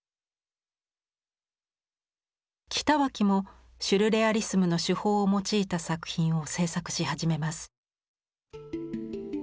北脇もシュルレアリスムの手法を用いた作品を制作し始めます。